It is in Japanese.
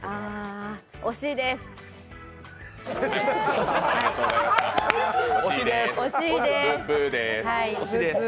あ、惜しいです。